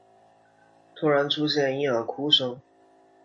突然出现婴儿哭声